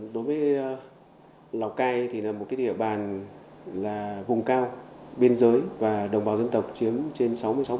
đối với lào cai thì là một địa bàn là vùng cao biên giới và đồng bào dân tộc chiếm trên sáu mươi sáu